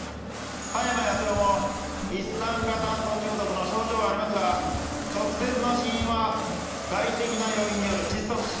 葉山康代も一酸化炭素中毒の症状がありますが直接の死因は外的な要因による窒息死。